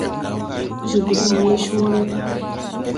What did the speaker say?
Jobo de wee coore.